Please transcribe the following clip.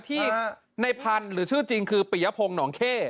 ที่ในพันธุ์หรือชื่อจริงคือปิยพงศ์หนองเข้